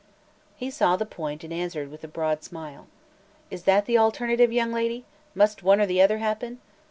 He saw the point and answered with a broad smile: "Is that the alternative, young lady? Must one or the other happen?